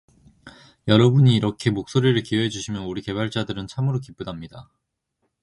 여러분이 이렇게 목소리를 기여해주시면 우리 개발자들은 참으로 기쁘답니다.